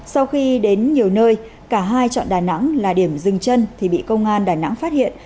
sau khi đến nhiều nơi cả hai chọn đà nẵng là điểm dừng chân thì bị công an đà nẵng phát hiện